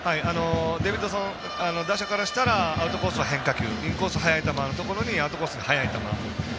デビッドソン打者からしたらアウトコースの変化球インコースのところに見せて、アウトコースに速い球。